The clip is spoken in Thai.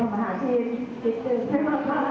แล้วก็จะทำถึงเป็นรูปไว้ทำ